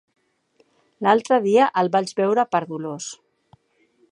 L'altre dia el vaig veure per Dolors.